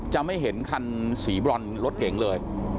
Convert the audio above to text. จะไม่เห็นคันสีบรอนรถเก๋งเลย